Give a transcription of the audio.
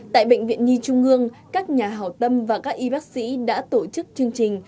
tại bệnh viện nhi trung ương các nhà hảo tâm và các y bác sĩ đã tổ chức chương trình